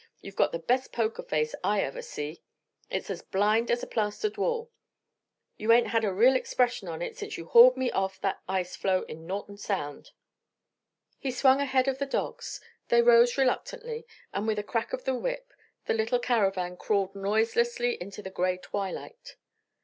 You've got the best poker face I ever see; it's as blind as a plastered wall. You ain't had a real expression on it since you hauled me off that ice floe in Norton Sound." He swung ahead of the dogs; they rose reluctantly, and with a crack of the whip the little caravan crawled noiselessly into the gray twilight.